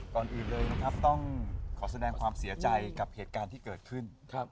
ก่อนอื่นเลยนะครับต้องขอแสดงความเสียใจกับเหตุการณ์ที่เกิดขึ้น